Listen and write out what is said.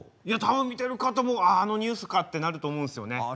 いや多分見てる方もあのニュースかってなると思うんですよね。